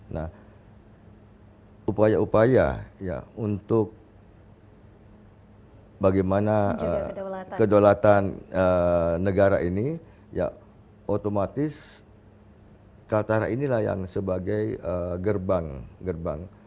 nah upaya upaya untuk bagaimana kedaulatan negara ini ya otomatis kaltara inilah yang sebagai gerbang